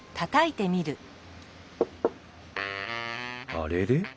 あれれ？